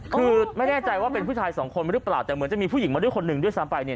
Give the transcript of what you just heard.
คือไม่แน่ใจว่าเป็นผู้ชายสองคนหรือเปล่าแต่เหมือนจะมีผู้หญิงมาด้วยคนหนึ่งด้วยซ้ำไปเนี่ย